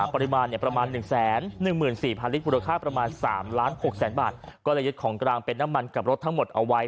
ผลค่าประมาณ๓ล้าน๖แสนบาทก็เลยยึดของกลางเป็นน้ำมันกับรถทั้งหมดเอาไว้